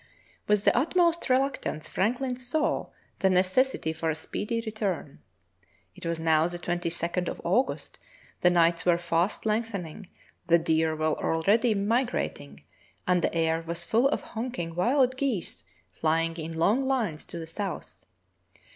With the utmost reluctance Franklin saw the neces sity for a speedy return. It was now the 22d of August, the nights were fast lengthening, the deer were already migrating, and the air was full of honking wild geese flying in long lines to the south.